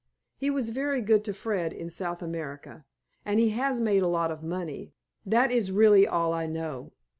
He was very good to Fred in South America, and he has made a lot of money, that is really all I know.